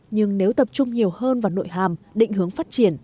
nhưng nếu tập trung nhiều hơn vào nội hàm định hướng phát triển